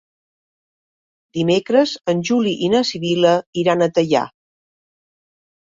Dimecres en Juli i na Sibil·la iran a Teià.